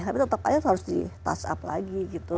tapi tetap aja harus di touch up lagi gitu